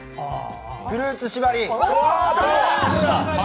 フルーツしばり！